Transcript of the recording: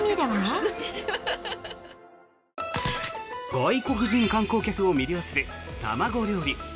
外国人観光客を魅了する卵料理。